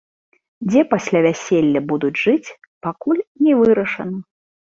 Дзе пасля вяселля будуць жыць, пакуль не вырашана.